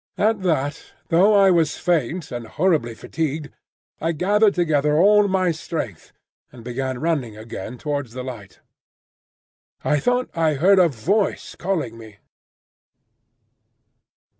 At that, though I was faint and horribly fatigued, I gathered together all my strength, and began running again towards the light. I thought I heard a voice calling me.